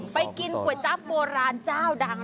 ไปกินก๋วยจั๊บโบราณเจ้าดัง